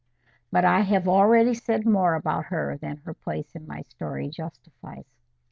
But I have already said more about her than her place in my story justifies.